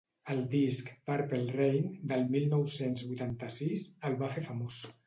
El disc ‘Purple Rain’, del mil nou-cents vuitanta-sis, el va fer famós.